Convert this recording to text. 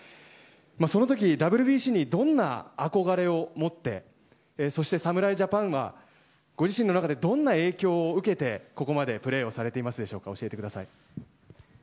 その時ＷＢＣにどんな憧れを持ってそして、侍ジャパンはご自身の中でどんな影響を受けてここまでプレーをされていますでしょうか。